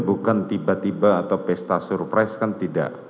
bukan tiba tiba atau pesta surprise kan tidak